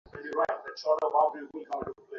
আমাদের কী ভেবে দেখা উচিত?